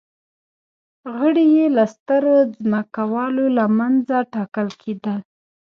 غړي یې له سترو ځمکوالو له منځه ټاکل کېدل